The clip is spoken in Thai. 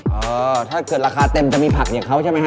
เออถ้าเกิดราคาเต็มจะมีผักอย่างเขาใช่ไหมฮ